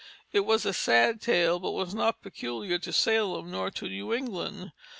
It was a sad tale, but was not peculiar to Salem nor to New England.